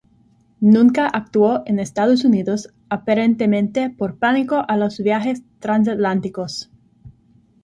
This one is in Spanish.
Nunca actuó en Estados Unidos aparentemente por pánico a los viajes transatlánticos.